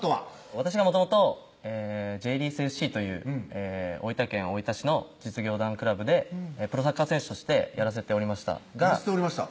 私がもともとジェイリースＦＣという大分県大分市の実業団クラブでプロサッカー選手としてやらせておりましたがやらせておりました？